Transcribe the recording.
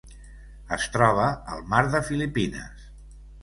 Es troba al Mar de Filipines.